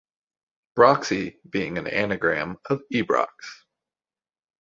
Broxi being an anagram of Ibrox.